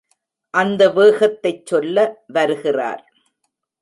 அந்த வேகத்தைச் சொல்ல வருகிறார்.